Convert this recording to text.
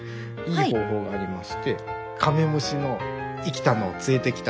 いい方法がありましてカメムシの生きたの連れてきたので。